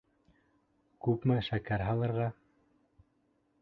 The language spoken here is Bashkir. Күпме шәкәр һалырға?